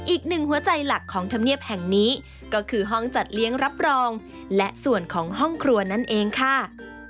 อีกหนึ่งหัวใจหลักของธรรมเนียบแห่งนี้ก็คือห้องจัดเลี้ยงรับรองและส่วนของห้องครัวนั่นเองค่ะ